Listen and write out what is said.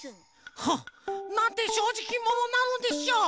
はっ！なんてしょうじきものなのでしょう！